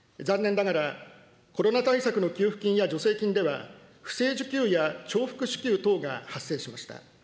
残念ながら、コロナ対策の給付金や助成金では、不正受給や重複支給等が発生しました。